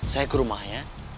saya ke rumahnya